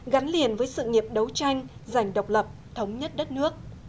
gắn liền với sự nghiệp đấu tranh giành độc lập thống nhất đất nước